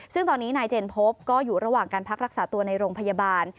ซึ่งตอนนี้นายเจนพบก็อยู่ระหว่างการพักรักษาตัวในโรงพยาบาล